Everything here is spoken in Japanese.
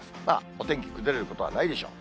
お天気崩れることはないでしょう。